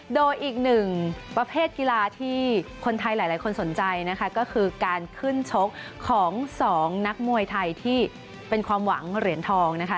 โดยอีกหนึ่งประเภทกีฬาที่คนไทยหลายคนสนใจนะคะก็คือการขึ้นชกของสองนักมวยไทยที่เป็นความหวังเหรียญทองนะคะ